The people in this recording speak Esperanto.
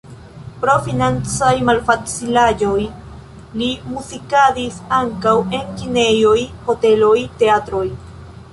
Pro financaj malfacilaĵoj li muzikadis ankaŭ en kinejoj, hoteloj, teatroj.